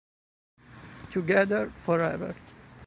Together Forever